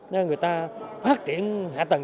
cho người ta phát triển hạ tầng